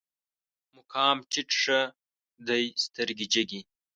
مقام ټيټ ښه دی، سترګې جګې